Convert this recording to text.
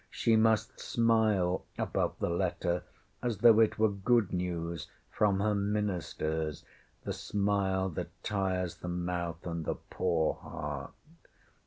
She must smile above the letter as though it were good news from her ministers the smile that tires the mouth and the poor heart.